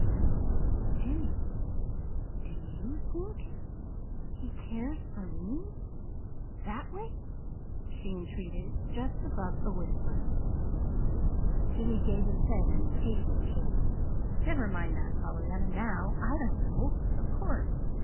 "Jimmy, do YOU think he cares for me that way?" she entreated, just above a whisper. Jimmy gave his head an impatient shake. "Never mind that, Pollyanna, now. I don't know, of course.